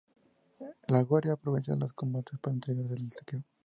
La Guardia aprovecha los combates para entregarse al saqueo.